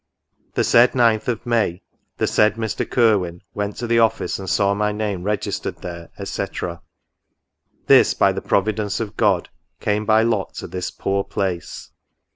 Y*^ said 9th of May, y^ said Mr. Curwen went to the office and saw my name registered there, &c. This, by the Pro vidence of God, came by lot to this poor place.